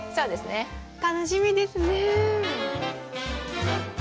楽しみですね。